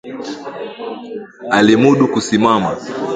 Alimudu kusimama